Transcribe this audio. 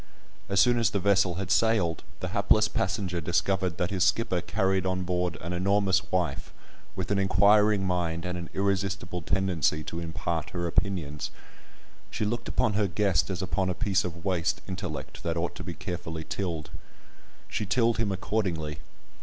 As soon as the vessel had sailed, the hapless passenger discovered that his skipper carried on board an enormous wife, with an inquiring mind and an irresistible tendency to impart her opinions. She looked upon her guest as upon a piece of waste intellect that ought to be carefully tilled. She tilled him accordingly.